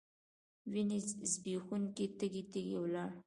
وینې ځبېښونکي تږي، تږي ولاړ